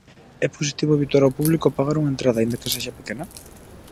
É positivo habituar ao público a pagar unha entrada, aínda que sexa pequena?